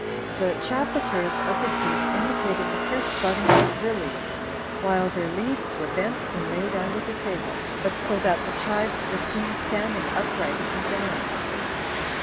The chapiters of the feet imitated the first buddings of lilies, while their leaves were bent and laid under the table, but so that the chives were seen standing upright within them.